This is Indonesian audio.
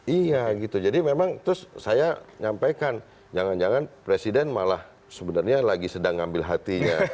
iya gitu jadi memang terus saya nyampaikan jangan jangan presiden malah sebenarnya lagi sedang ngambil hatinya